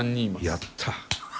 やった！